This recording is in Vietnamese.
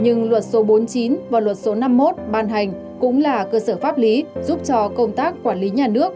nhưng luật số bốn mươi chín và luật số năm mươi một ban hành cũng là cơ sở pháp lý giúp cho công tác quản lý nhà nước